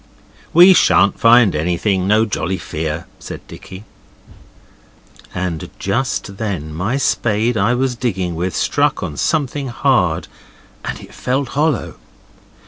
'We shan't find anything. No jolly fear,' said Dicky. And just then my spade I was digging with struck on something hard, and it felt hollow.